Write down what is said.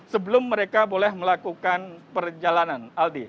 sebelum mereka boleh melakukan perjalanan aldi